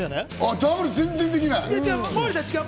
ダブル、全然できない。